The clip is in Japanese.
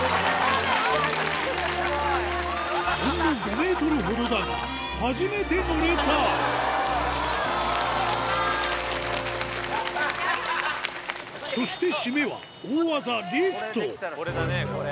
ほんの５ｍほどだが初めて乗れたそして締めは大技これだねこれ。